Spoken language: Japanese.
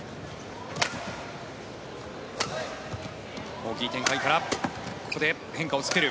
大きい展開からここで変化をつける。